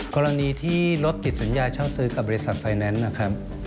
กรณีที่รถติดสัญญาเช่าซื้อกับบริษัทไฟแนนซ์นะครับ